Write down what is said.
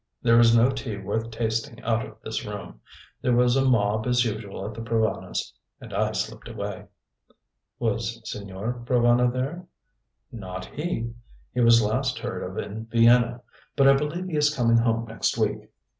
There is no tea worth tasting out of this room. There was a mob as usual at the Provanas' and I slipped away." "Was Signor Provana there?" "Not he. He was last heard of in Vienna. But I believe he is coming home next week."